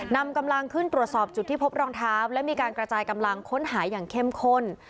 นำกำลังขึ้นตรวจสอบจุดที่พบรองเท้าและมีการกระจายกำลังค้นหาอย่างเข้มข้น